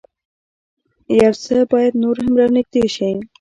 يو څه بايد نور هم را نېږدې شي.